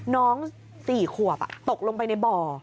น้อง๔ขวบตกลงไปในบ่อ